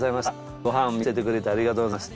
ごはんを見せてくれてありがとうございました。